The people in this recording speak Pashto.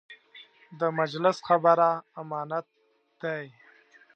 د مجلس خبره امانت دی.